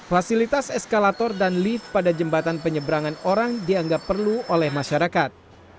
fasilitas eskalator dan lift pada jembatan penyeberangan orang dianggap perlu oleh masyarakat